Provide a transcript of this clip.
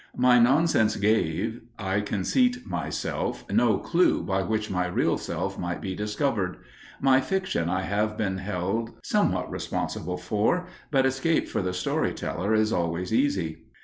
My nonsense gave, I conceit myself, no clue by which my real self might be discovered. My fiction I have been held somewhat responsible for, but escape for the story teller is always easy.